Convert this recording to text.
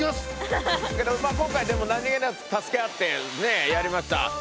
今回でも何気なく助け合ってねやりました。